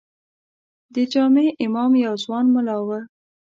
د جامع امام یو ځوان ملا و.